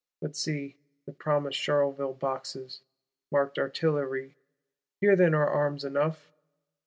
But see, the promised Charleville Boxes, marked Artillerie! Here, then, are arms enough?